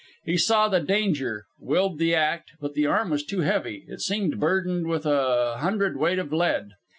He saw the danger, willed the act; but the arm was too heavy. It seemed burdened with a hundredweight of lead.